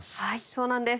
そうなんです。